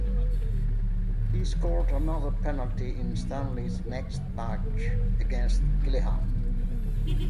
He scored another penalty in Stanley's next match against Gillingham.